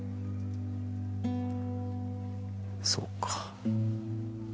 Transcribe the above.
そうか。